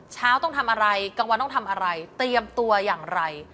ต้องทำอะไรกลางวันต้องทำอะไรเตรียมตัวอย่างไร